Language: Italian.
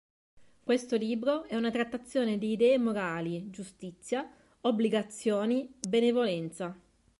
Questo libro è una trattazione di idee morali, giustizia, obbligazioni, benevolenza.